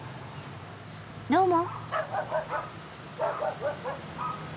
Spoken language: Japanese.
どうも。